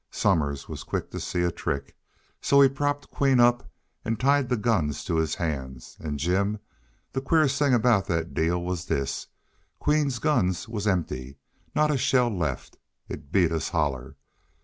Somers was quick to see a trick. So he propped Queen up an' tied the guns to his hands an', Jim, the queerest thing aboot that deal was this Queen's guns was empty! Not a shell left! It beat us holler....